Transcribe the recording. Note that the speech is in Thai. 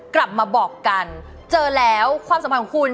กลับมาบอกกันเจอแล้วความสัมพันธ์ของคุณ